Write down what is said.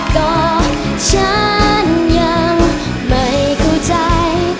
ก็ฉันยังไม่เข้าใจ